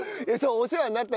お世話になった。